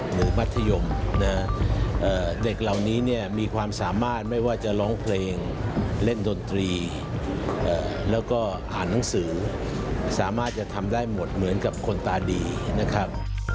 มัธยมนะฮะเด็กเหล่านี้เนี่ยมีความสามารถไม่ว่าจะร้องเพลงเล่นดนตรีแล้วก็อ่านหนังสือสามารถจะทำได้หมดเหมือนกับคนตาดีนะครับ